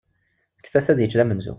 Fket-as ad yečč d amenzu.